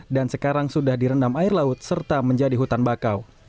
dan sekarang sudah direndam air laut serta menjadi hutan bakau